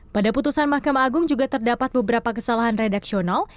pada putusan mahkamah agung juga terdapat beberapa kesalahan redaksional